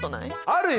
あるよ！